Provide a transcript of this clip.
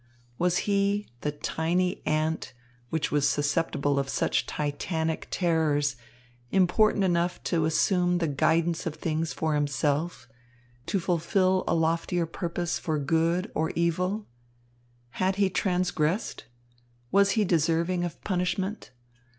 Was he, the tiny ant, which was susceptible of such titanic terrors, important enough to assume the guidance of things for himself, to fulfil a loftier purpose for good or evil? Had he transgressed? Was he deserving of punishment?